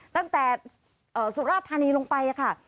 ตั้งแต่สุราธานีลงไปค่ะ